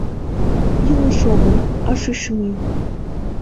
Илыш огыл, а шӱшмӱй!